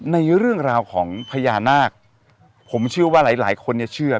ในเรื่องราวของพญานาคผมเชื่อว่าหลายคนจะเชื่อ